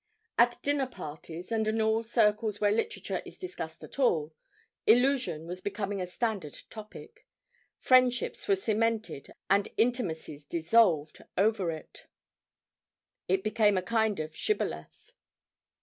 At dinner parties, and in all circles where literature is discussed at all, 'Illusion' was becoming a standard topic; friendships were cemented and intimacies dissolved over it; it became a kind of 'shibboleth.'